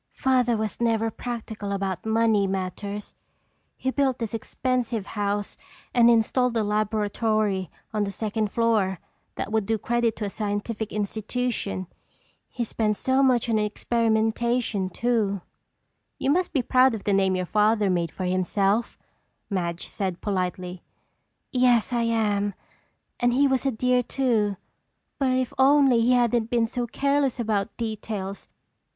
"Father was never practical about money matters. He built this expensive house and installed a laboratory on the second floor that would do credit to a scientific institution. He spent so much on experimentation too." "You must be proud of the name your father made for himself," Madge said politely. "Yes, I am, and he was a dear, too. But if only he hadn't been so careless about details!